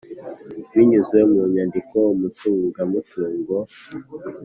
Binyuze mu nyandiko umucungamutungo